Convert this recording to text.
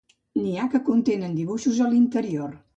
N'hi ha que contenen dibuixos a l'interior.